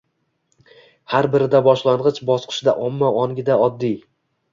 har birida boshlang‘ich bosqichda omma ongida oddiy